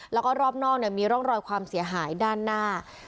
แล้วก็รอบนอกมีร่องรอยความเสียหายด้านหน้า